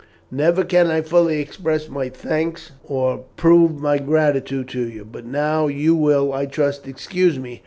Never can I fully express my thanks or prove my gratitude to you, but now you will, I trust, excuse me.